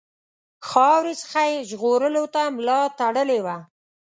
خاورې څخه یې ژغورلو ته ملا تړلې وه.